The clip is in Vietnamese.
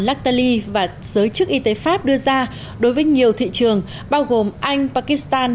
lattaly và giới chức y tế pháp đưa ra đối với nhiều thị trường bao gồm anh pakistan